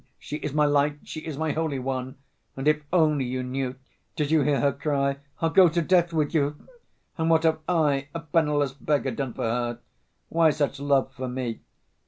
She is my light, she is my holy one, and if only you knew! Did you hear her cry, 'I'll go to death with you'? And what have I, a penniless beggar, done for her? Why such love for me?